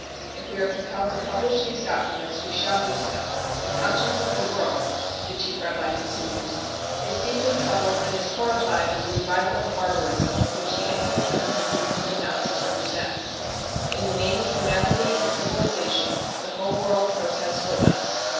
If we are compelled to publish these documents, we shall do so. The conscience of th<? THE PERSECUTION OF JEWS 253 world," the Chief Rabbi continues, "is deeply troubled and is horrified at the revival of barbarism which the anti Semitism of the Nazis represents. In the name of humanity and civilisation the whole world protests with us.